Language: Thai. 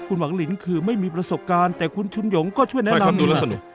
คุณหวังลิ้นคือไม่มีประสบการณ์แต่คุณชุนยงก็ช่วยแนะนำอย่างนี้